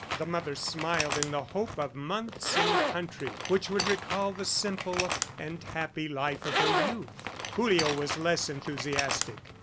The mother smiled in the hope of months in the country which would recall the simple and happy life of her youth. Julio was less enthusiastic.